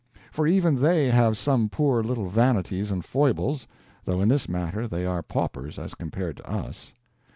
For even they have some poor little vanities and foibles, though in this matter they are paupers as compared to us.